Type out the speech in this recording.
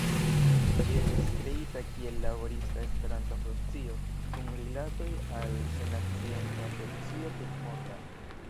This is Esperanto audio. Ĝi estis kreita kiel Laborista Esperanto-Asocio, kun rilatoj al Sennacieca Asocio Tutmonda.